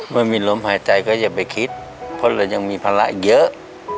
เมื่อมีลมหายใจก็อย่าไปคิดเพราะเรายังมีภาระเยอะ